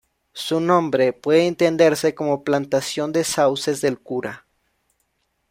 Su nombre puede entenderse como "plantación de sauces del cura".